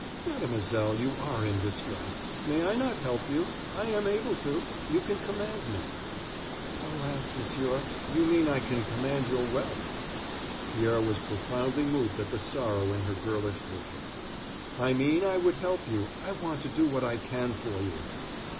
"Mademoiselle, you are in distress. May I not help you? I am able to. You can command me." "Alas, Monsieur, you mean I can command your wealth." Pierre was profoundly moved at the sorrow in her girlish voice. "I mean I would help you; I want to do what I can for you."